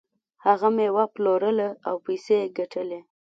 هغه میوه پلورله او پیسې یې ګټلې.